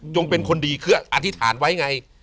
เป็นคนดีคืออธิษฐานไว้ไง